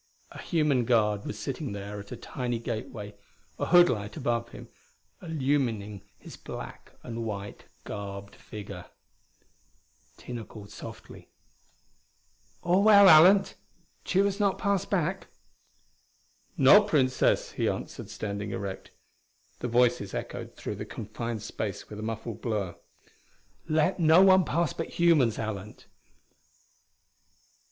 A human guard was sitting there at a tiny gate way, a hood light above him, illumining his black and white garbed figure. Tina called softly. "All well, Alent? Tugh has not passed back?" "No, Princess," he answered, standing erect. The voices echoed through the confined space with a muffled blur. "Let no one pass but humans, Alent."